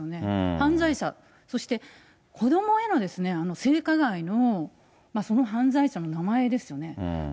犯罪者、そして子どもへの性加害のその犯罪者の名前ですよね。